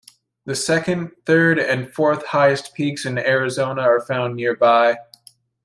The second, third, and fourth highest peaks in Arizona are found nearby.